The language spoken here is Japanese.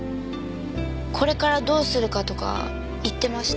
これからどうするかとか言ってました？